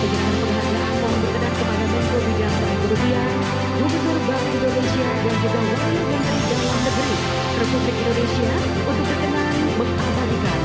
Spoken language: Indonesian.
dan sekali lagi kami ucapkan selamat